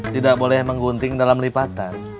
tidak boleh menggunting dalam lipatan